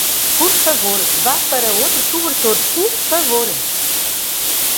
Por favor, vá para outro cobertor, por favor?